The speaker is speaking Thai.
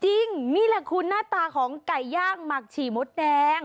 นี่แหละคุณหน้าตาของไก่ย่างหมักฉี่มดแดง